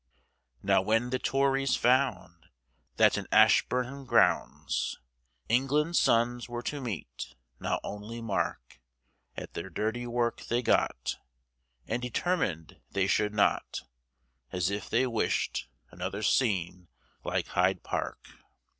Now when the Tories found, That in Ashburnham Grounds, England's sons were to meet now only mark, At their dirty work they got, And determined they should not, As if they wished another scene like Hyde Park.